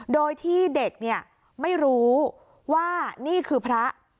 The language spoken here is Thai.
โดยที่เด็กไม่รู้ว่านี่คือพระ